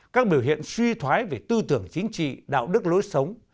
các biểu hiện suy thoái về tư tưởng chính trị đạo đức lối sống